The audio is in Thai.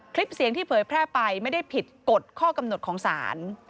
คลิปเสียงที่เผยแพร่ไปไม่ได้ผิดกฎข้อกำหนดของศาล